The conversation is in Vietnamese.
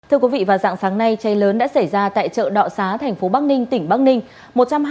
thưa quý vị vào dạng sáng nay cháy lớn đã xảy ra tại chợ đọ xá thành phố bắc ninh tỉnh bắc ninh